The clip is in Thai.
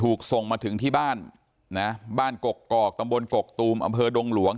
ถูกส่งมาถึงที่บ้านนะบ้านกกอกตำบลกกตูมอำเภอดงหลวง